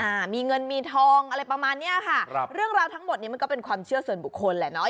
อ่ามีเงินมีทองอะไรประมาณเนี้ยค่ะครับเรื่องราวทั้งหมดนี้มันก็เป็นความเชื่อส่วนบุคคลแหละเนาะ